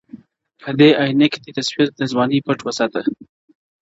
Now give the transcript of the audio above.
په دې ائينه كي دي تصوير د ځوانۍ پټ وسـاته.